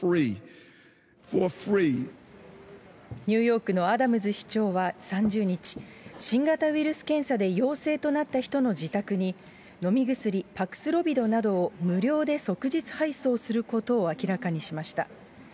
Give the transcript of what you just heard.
ニューヨークのアダムズ市長は、３０日、新型ウイルス検査で陽性となった人の自宅に、飲み薬、パクスロビドなどを無料で即日配送することを明らかにしました。